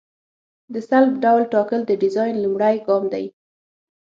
د سلب ډول ټاکل د ډیزاین لومړی ګام دی